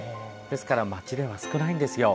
ですから町では少ないんですよ。